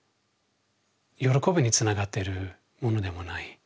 喜びにつながってるものでもない。